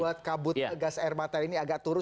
untuk membuat kabut gas air mata ini agak turus